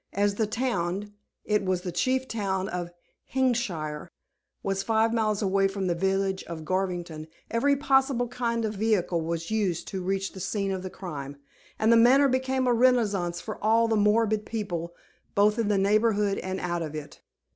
As the town it was the chief town of Hengishire was five miles away from the village of Garvington, every possible kind of vehicle was used to reach the scene of the crime, and The Manor became a rendezvous for all the morbid people, both in the neighborhood and out of it.